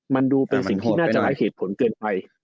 มันดูเป็นสิ่งที่น่าจะหลายเหตุผลเกินไป